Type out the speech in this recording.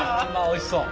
おいしそう。